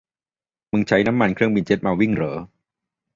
มึงใช้น้ำมันเครื่องบินเจ็ตมาวิ่งเหรอ